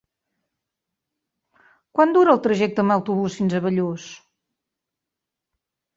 Quant dura el trajecte en autobús fins a Bellús?